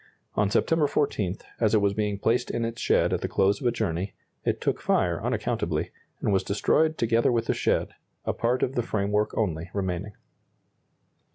On September 14, as it was being placed in its shed at the close of a journey, it took fire unaccountably, and was destroyed together with the shed, a part of the framework only remaining.